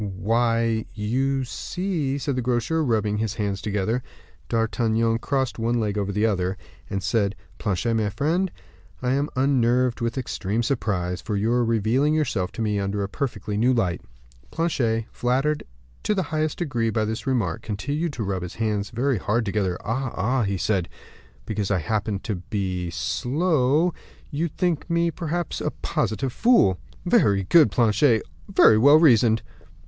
"Why, you see " said the grocer, rubbing his hands together. D'Artagnan crossed one leg over the other, and said, "Planchet, my friend, I am unnerved with extreme surprise; for you are revealing yourself to me under a perfectly new light." Planchet, flattered in the highest degree by this remark, continued to rub his hands very hard together. "Ah, ah," he said, "because I happen to be only slow, you think me, perhaps, a positive fool." "Very good, Planchet; very well reasoned."